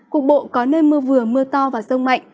cục bộ có nơi mưa vừa mưa to và rông mạnh